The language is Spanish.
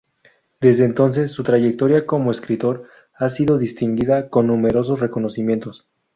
Desde entonces, su trayectoria como escritor ha sido distinguida con numerosos reconocimientos.